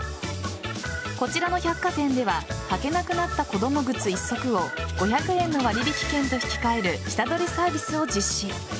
こちらの百貨店では履けなくなった子供靴１足を５００円の割引券と引き換える下取りサービスを実施。